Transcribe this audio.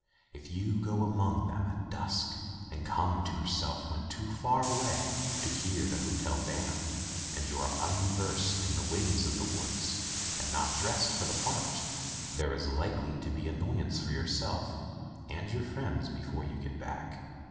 If you go among them at dusk and come to your self when too far away to hear the hotel band, and you are unversed in the ways of the woods, and not dressed for the part, there is likely to be annoyance for yourself and your friends before you get back.